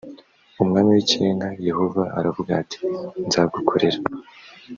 umwami w ikirenga yehova aravuga ati nzagukorera